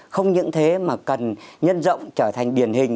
không những thế mà cần nhân rộng trở thành điển hình